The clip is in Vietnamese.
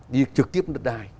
đi trực tiếp đất đai